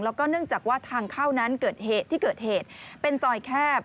แล้วก็เนื่องจากว่าทางเข้านั้นที่เกิดเหตุเป็นซอยแคบ